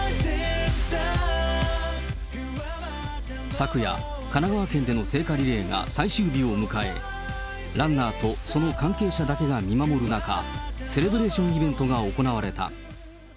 昨夜、神奈川県での聖火リレーが最終日を迎え、ランナーとその関係者だけが見守る中、セレブレーションイベントが行われた。